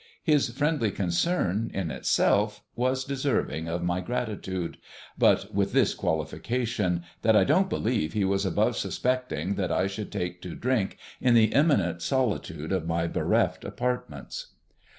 His friendly concern, in itself, was deserving of my gratitude but with this qualification, that I don't believe he was above suspecting that I should take to drink in the imminent solitude of my bereft apartments.